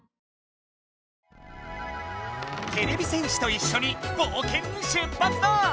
てれび戦士といっしょにぼうけんに出発だ！